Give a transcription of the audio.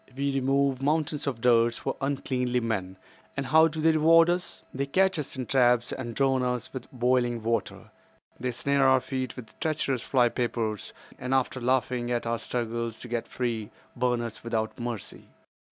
We remove mountains of dirt for uncleanly men, and how do they reward us? They catch us in traps and drown us with boiling water. They snare our feet with treacherous fly papers, and after laughing at our struggles to get free, burn us without mercy.